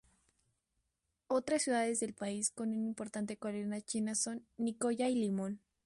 Otras ciudades del país con una importante colonia china son Nicoya y Limón.